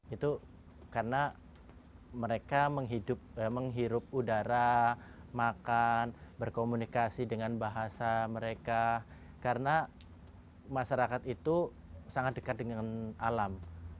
itu karena mereka menghirup udara makan berkomunikasi dengan bahasa mereka karena masyarakat itu sangat dekat dengan alam